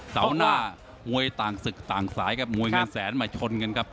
เสาร์หน้ามวยต่างศึกต่างสายครับมวยเงินแสนมาชนกันครับ